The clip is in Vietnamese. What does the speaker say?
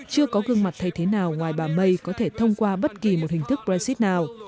chưa có gương mặt thay thế nào ngoài bà may có thể thông qua bất kỳ một hình thức brexit nào